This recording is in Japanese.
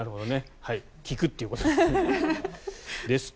聞くっていうことですね。